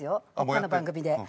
他の番組で。